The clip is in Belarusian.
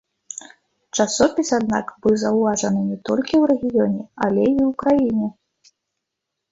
Часопіс, аднак, быў заўважаны не толькі ў рэгіёне, але і ў краіне.